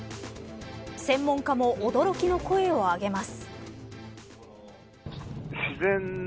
専門家も驚きの声を上げます。